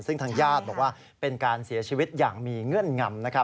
ซึ่งทางญาติบอกว่าเป็นการเสียชีวิตอย่างมีเงื่อนงำ